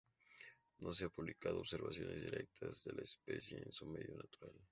No se han publicado observaciones directas de la especie en su medio natural.